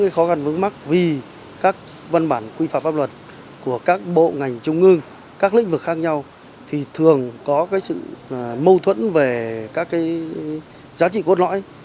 những khó khăn vướng mắt vì các văn bản quy phạm pháp luật của các bộ ngành trung ương các lĩnh vực khác nhau thì thường có sự mâu thuẫn về các giá trị cốt lõi